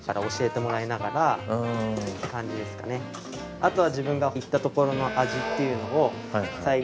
あとは自分が行ったところの味っていうのを再現。